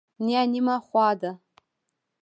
نیا نیمه خوا ده.